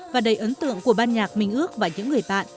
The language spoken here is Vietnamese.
và đầy ấn tượng của ban nhạc mình ước và những người bạn